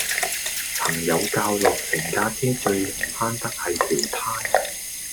朋友教落成架車最唔慳得係條呔